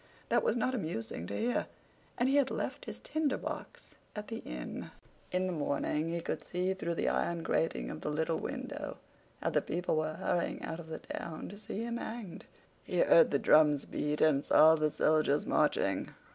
That was not amusing to hear, and he had left his Tinder box at the inn. In the morning he could see, through the iron grating of the little window, how the people were hurrying out of the town to see him hanged. He heard the drums beat and saw the soldiers marching.